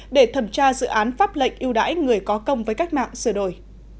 để thẩm tra dự án pháp lệnh ưu đãi người có công với cách mạng sửa đổi